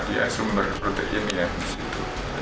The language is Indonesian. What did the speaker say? di asumber protein ya di situ